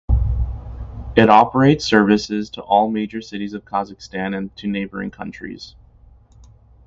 It operates services to all major cities of Kazakhstan and to neighbouring countries.